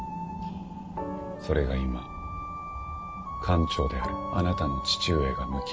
それが今艦長であるあなたの父上が向き合う現実です。